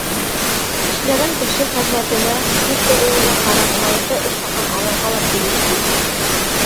Эшләгән кеше хеҙмәтенә, тир түгеүенә ҡарап лайыҡлы эш хаҡын алырға ла тейеш бит.